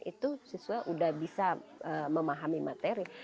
itu siswa sudah bisa memahami materi